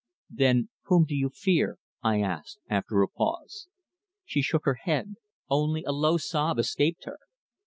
"Then whom do you fear?" I asked, after a pause. She shook her head. Only a low sob escaped her.